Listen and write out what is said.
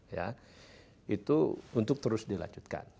ya itu untuk terus dilanjutkan